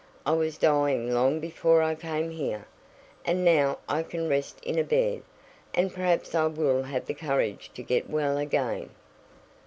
I was dying long before I came here, and now I can rest in a bed, and perhaps I will have the courage to get well again."